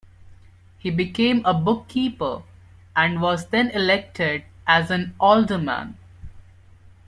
He became a bookkeeper, and was then elected as an alderman.